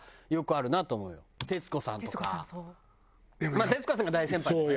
まあ徹子さんが大先輩だからね。